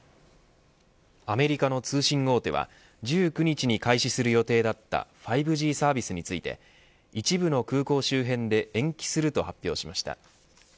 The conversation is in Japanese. アメリカの通信大手は１９日に開始する予定だった５Ｇサービスについて一部の空港周辺で延期すると発表しました。